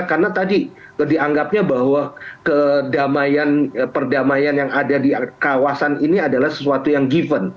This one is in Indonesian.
karena tadi dianggapnya bahwa kedamaian perdamaian yang ada di kawasan ini adalah sesuatu yang given